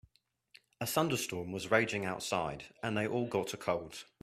A thunderstorm was raging outside and they all got a cold.